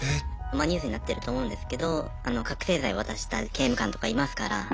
まあニュースになってると思うんですけど覚醒剤渡した刑務官とかいますから。